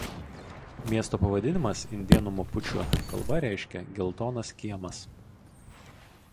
Miesto pavadinimas indėnų mapučių kalba reiškia „geltonas kiemas“.